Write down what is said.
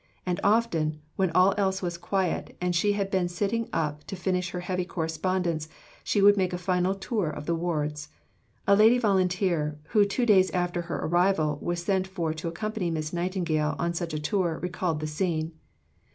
And often, when all else was quiet, and she had been sitting up to finish her heavy correspondence, she would make a final tour of the wards. A lady volunteer, who two days after her arrival was sent for to accompany Miss Nightingale on such a tour, recalled the scene.